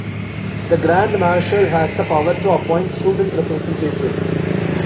The Grand Marshal has the power to appoint student representatives.